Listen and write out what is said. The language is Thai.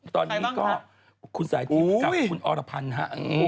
ตอนนี้ก็คุณสายทิพย์กับคุณอรพันธ์ฮะ